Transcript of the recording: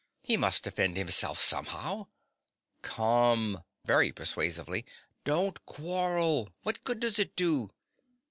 He must defend himself somehow. Come (very persuasively), don't quarrel. What good does it do?